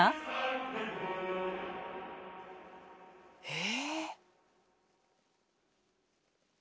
え